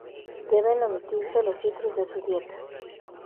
Deben omitirse los citrus de su dieta.